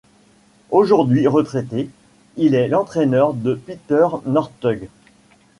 Aujourd'hui retraité, il est l'entraîneur de Petter Northug.